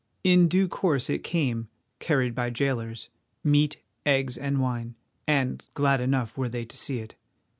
In due course it came, carried by jailers—meat, eggs, and wine, and glad enough were they to see it.